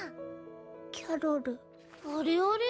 キャロルあれあれ？